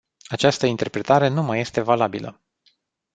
Această interpretare nu mai este valabilă.